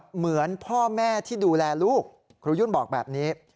เหมือนพ่อแม่ที่ดูแลลูกครูยุ่นบอกแบบนี้